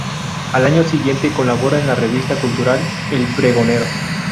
Al año siguiente, colabora en la revista cultural "El Pregonero".